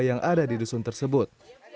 yang ada di dusun tersebut